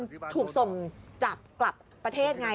การไม่โดนถูกส่งจับกลับประเทศไง